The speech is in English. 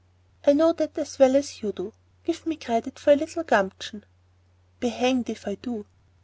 "I know that as well as you do. Give me credit for a little gumption." "Be hanged if I do!"